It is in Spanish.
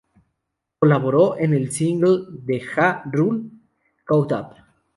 Colaboró en el single de Ja Rule, "Caught Up".